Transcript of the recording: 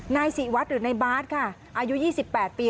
นายศิวัฒน์หรือนายบาร์ทค่ะอายุ๒๘ปี